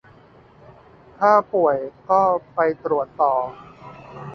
ถ้าป่วยก็ไปตรวจต่อ